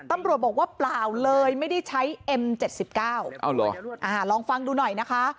ตำรวจบอกว่าเปล่าเลยไม่ได้ใช้เอ็มเจ็ดสิบเก้าเอ้าเหรออ่าลองฟังดูหน่อยนะคะ